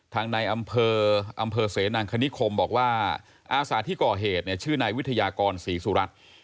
ทางในอำเภอเสนังคณิคคมบอกว่าอาศาที่ก่อเหตุชื่อในวิทยากรศรีสุรัตน์